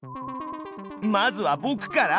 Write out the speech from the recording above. まずはぼくから！